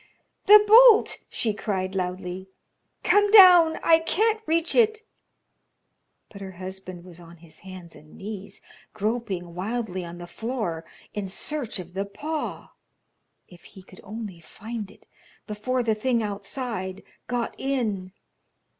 "The bolt," she cried, loudly. "Come down. I can't reach it." But her husband was on his hands and knees groping wildly on the floor in search of the paw. If he could only find it before the thing outside got in.